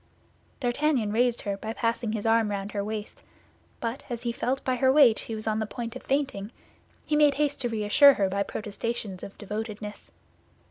D'Artagnan raised her by passing his arm round her waist; but as he felt by her weight she was on the point of fainting, he made haste to reassure her by protestations of devotedness.